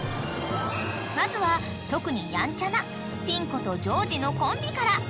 ［まずは特にやんちゃなピン子とジョージのコンビから］